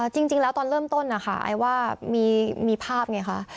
จริงแล้วตอนเริ่มต้นไอว่ามีภาพไงครับ